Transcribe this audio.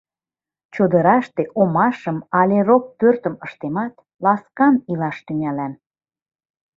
Чодыраште омашым але рок пӧртым ыштемат, ласкан илаш тӱҥалам.